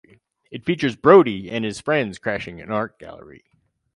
It features Brody and his friends crashing an art gallery.